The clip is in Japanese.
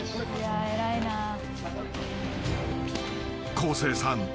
［昴生さん。